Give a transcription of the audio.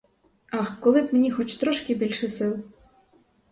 Ах, коли б мені хоч трошки більше сил!